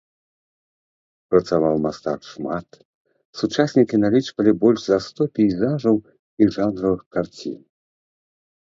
Працаваў мастак шмат, сучаснікі налічвалі больш за сто пейзажаў і жанравых карцін.